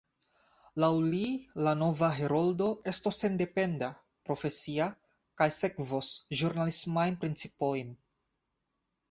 Laŭ li la nova Heroldo estos sendependa, profesia, kaj sekvos ĵurnalismajn principojn.